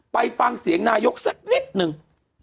ไปฟังเสียงนายกสักนิดนึง